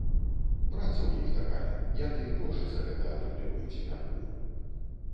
Праца ў іх такая, яны грошы за гэта атрымліваюць, мяркую.